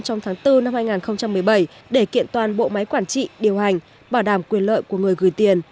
trong tháng bốn năm hai nghìn một mươi bảy để kiện toàn bộ máy quản trị điều hành bảo đảm quyền lợi của người gửi tiền